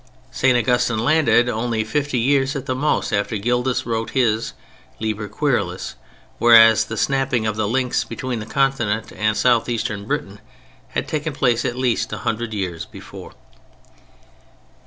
St. Augustine landed only fifty years at the most after Gildas wrote his Liber Querulus, whereas the snapping of the links between the Continent and southeastern Britain had taken place at least a hundred years before.